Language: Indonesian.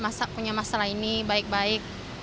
masalahnya yang kita punya masalah ini baik baik